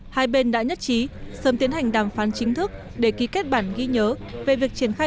hai bên đã nhất trí sớm tiến hành đàm phán chính thức để ký kết bản ghi nhớ về việc triển khai